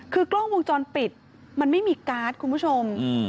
คือกล้องวงจรปิดมันไม่มีการ์ดคุณผู้ชม